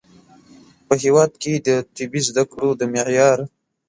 په هیواد کې د طبي زده کړو د معیار